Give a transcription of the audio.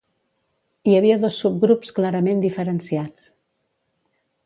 Hi havia dos subgrups clarament diferenciats.